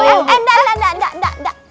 eh enggak enggak enggak